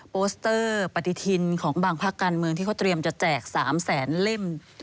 โปสเตอร์ปฏิทินของบางภาคการเมืองที่เขาเตรียมจะแจก๓แสนเล่ม